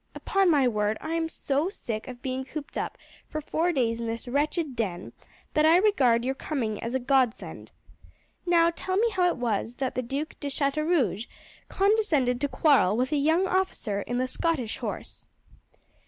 Upon my word I am so sick of being cooped up for four days in this wretched den that I regard your coming as a godsend. Now tell me how it was that the Duc de Chateaurouge condescended to quarrel with a young officer in the Scottish Horse."